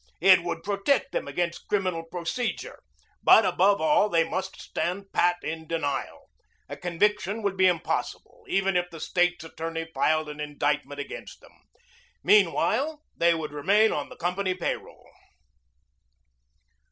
It would protect them against criminal procedure. But above all they must stand pat in denial. A conviction would be impossible even if the State's attorney filed an indictment against them. Meanwhile they would remain on the company pay roll.